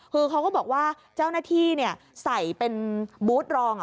คือเขาก็บอกว่าเจ้าหน้าที่เนี้ยใส่เป็นบู๊ดรองอ่ะ